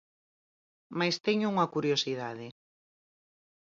Mais teño unha curiosidade.